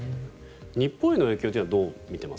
日本への影響はどう見ています？